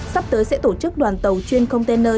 sắp tới sẽ tổ chức đoàn tàu chuyên container